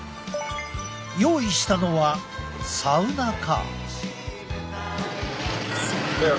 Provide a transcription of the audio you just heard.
用意したのはサウナカー。